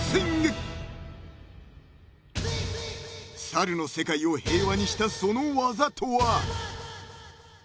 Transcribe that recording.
［猿の世界を平和にしたその技とは］